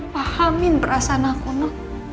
pahamin perasaan aku nino